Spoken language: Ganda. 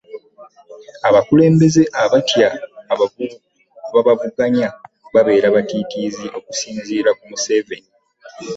Abakulembeze abatya ababavuganya babeera batiitiizi okusinziira ku Museveni